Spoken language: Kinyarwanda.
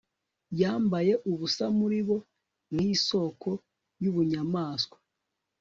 yambaye ubusa muri bo, nkisoko yubunyamaswa